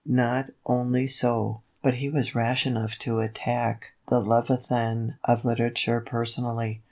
Not only so, but he was rash enough to attack the leviathan of literature personally.